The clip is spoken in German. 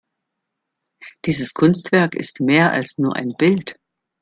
Dieses Kunstwerk ist mehr als nur ein Bild.